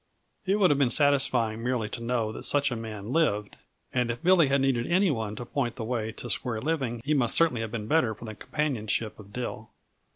It would have been satisfying merely to know that such a man lived, and if Billy had needed any one to point the way to square living he must certainly have been better for the companionship of Dill.